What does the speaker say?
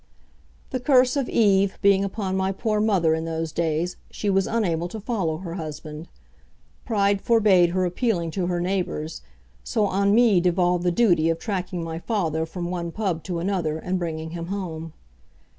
The curse of Eve being upon my poor mother in those days, she was unable to follow her husband. Pride forbade her appealing to her neighbours, so on me devolved the duty of tracking my father from one pub to another and bringing him home.